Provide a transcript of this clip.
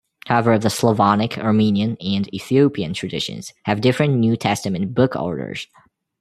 However, the Slavonic, Armenian, and Ethiopian traditions have different New Testament book orders.